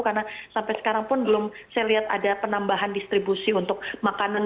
karena sampai sekarang pun belum saya lihat ada penambahan distribusi untuk makanan